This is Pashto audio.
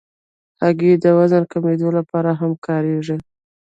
هګۍ د وزن کمېدو لپاره هم کارېږي.